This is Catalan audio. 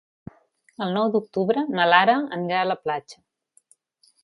El nou d'octubre na Lara anirà a la platja.